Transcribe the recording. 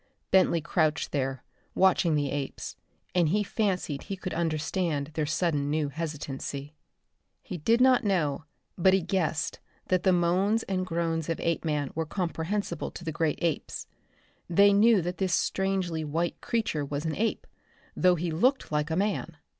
Bentley crouched there, watching the apes, and he fancied he could understand their sudden new hesitancy. He did not know, but he guessed that the moans and groans of Apeman were comprehensible to the great apes. They knew that this strangely white creature was an ape, though he looked like a man.